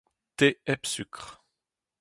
Te hep sukr